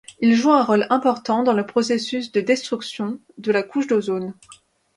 Il joue un rôle important dans le processus de destruction de la couche d'ozone.